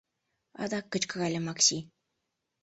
- адак кычкырале Макси.